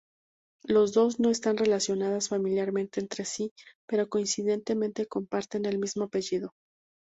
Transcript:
Los dos no están relacionadas familiarmente entre sí, pero coincidentemente comparten el mismo apellido.